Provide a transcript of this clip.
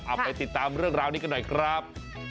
ไปติดตามเรื่องราวนี้กันหน่อยครับ